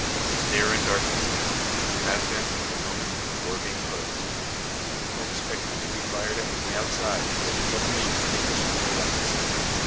They are in darkness now have been from the moment of the door being closed. For, expecting to be fired at from the outside, they had suddenly extinguished the lights.